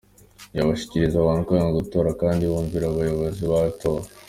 Ntibashishikariza abantu kwanga gutora, kandi bumvira abayobozi batowe.